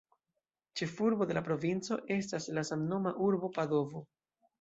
Ĉefurbo de la provinco estas la samnoma urbo Padovo.